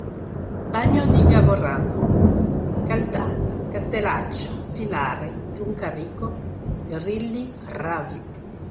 Bagno di Gavorrano, Caldana, Castellaccia, Filare, Giuncarico, Grilli, Ravi.